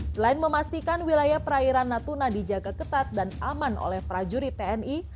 selain memastikan wilayah perairan natuna dijaga ketat dan aman oleh prajurit tni